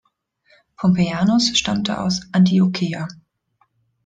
Pompeianus stammte aus Antiocheia.